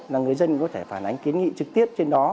chúng tôi cũng có thể phản ánh kiến nghị trực tiếp trên đó